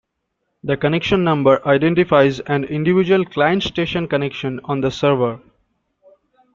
The Connection Number identifies an individual client station connection on the server.